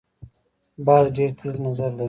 باز ډیر تېز نظر لري